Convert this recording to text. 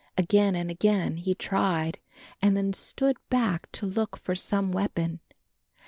Again and again he tried and then stood back to look for some weapon.